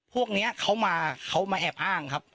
พวกนี้เขามาเขามาแอบอ้างครับ